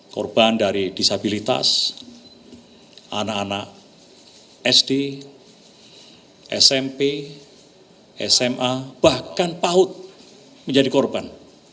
korban dari disabilitas anak anak sd smp sma bahkan paut menjadi korban